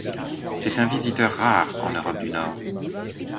C'est un visiteur rare en Europe du Nord.